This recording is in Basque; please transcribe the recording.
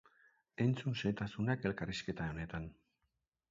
Entzun xehetasunak elkarrizketa honetan.